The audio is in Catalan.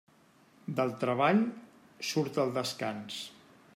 Del treball surt el descans.